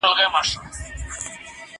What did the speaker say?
زه مخکي لوبه کړې وه،